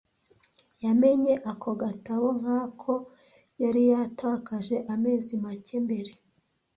Yamenye ako gatabo nkako yari yatakaje amezi make mbere.